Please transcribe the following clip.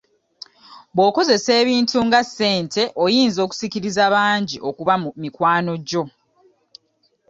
Bw'okozesa ebintu nga ssente oyinza osikiriza bangi okuba mikwano gyo.